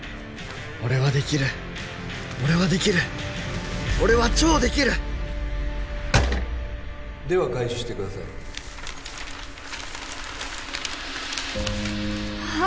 俺はできる俺はできる俺は超できる！では開始してくださいあっ！